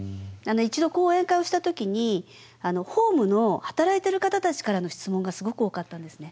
一度講演会をした時にホームの働いてる方たちからの質問がすごく多かったんですね。